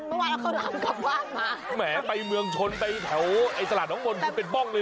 แบบแบบเบานเบ้างพันธุ์เข้าหลามเลยหรืออย่างนี้